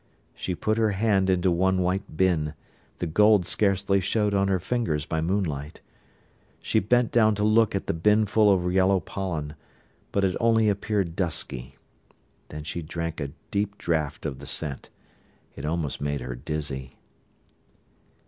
She put her hand into one white bin: the gold scarcely showed on her fingers by moonlight. She bent down to look at the binful of yellow pollen; but it only appeared dusky. Then she drank a deep draught of the scent. It almost made her dizzy.